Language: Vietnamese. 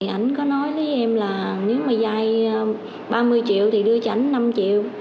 anh có nói với em là nếu mà dai ba mươi triệu thì đưa cho anh năm triệu